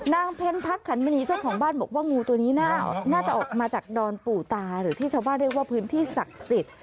เพ็ญพักขันมณีเจ้าของบ้านบอกว่างูตัวนี้น่าจะออกมาจากดอนปู่ตาหรือที่ชาวบ้านเรียกว่าพื้นที่ศักดิ์สิทธิ์